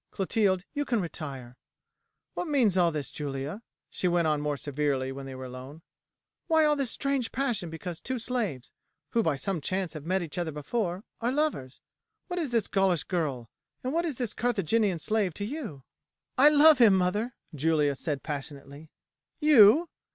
Clotilde, you can retire. What means all this, Julia?" she went on more severely when they were alone; "why all this strange passion because two slaves, who by some chance have met each other before, are lovers? What is this Gaulish girl, what is this Carthaginian slave, to you?" "I love him, mother!" Julia said passionately. "You!"